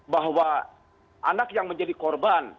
bahwa anak yang menjadi korban